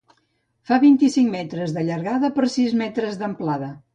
Fa uns vint-i-cinc metres de llargada per sis metres d'amplada.